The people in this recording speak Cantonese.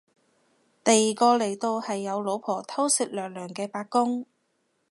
第二個嚟到係有老婆偷食娘娘嘅八公